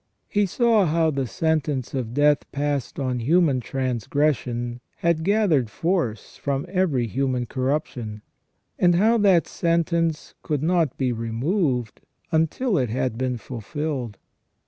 He saw how the sentence of death passed on human trangression had gathered force from every human corruption, and how that sentence could not be removed until it had been fulfilled.